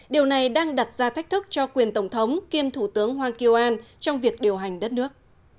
điều này đang đặt ra thách thức cho quyền tổng thống kiêm thủ tướng hoake an trong việc điều hành đất nước